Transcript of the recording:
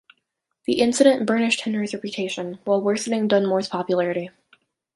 The incident burnished Henry's reputation while worsening Dunmore's popularity.